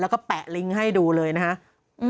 แล้วก็แปะลิงก์ให้ดูเลยนะครับ